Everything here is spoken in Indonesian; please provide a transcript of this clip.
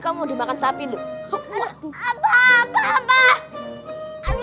aduh ini kuping kornate